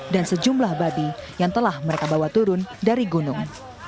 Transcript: dan sejumlah babi yang telah mereka bawa turun dari gunung